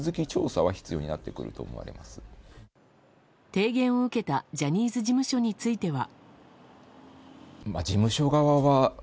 提言を受けたジャニーズ事務所については。